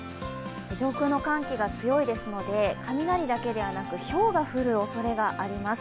上空の寒気が強いですので、雷だけではなくてひょうが降るおそれがあります。